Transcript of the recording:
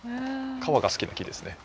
川が好きな木ですね。